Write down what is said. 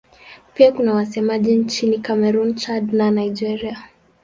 Pia kuna wasemaji nchini Kamerun, Chad na Nigeria.